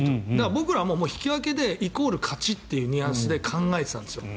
僕は引き分けでイコール勝ちというニュアンスで考えていたんですよ。